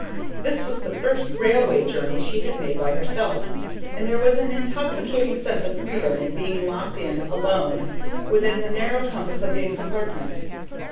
This was the first railway journey she had made by herself, and there was an intoxicating sense of freedom in being locked in, alone, within the narrow compass of the compartment.